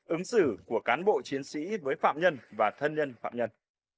ứng xử của cán bộ chiến sĩ với phạm nhân và thân nhân phạm nhân